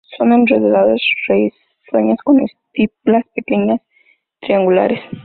Son enredaderas leñosas con estípulas pequeñas, triangulares.